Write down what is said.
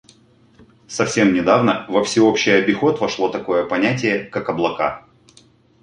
Совсем недавно во всеобщий обиход вошло такое понятие как «облака».